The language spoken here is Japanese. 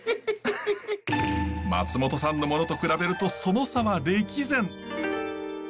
松本さんのものと比べるとその差は歴然。